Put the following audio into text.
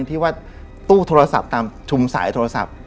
ที่ว่าตู้โทรศัพท์ตามชุมสายโทรศัพท์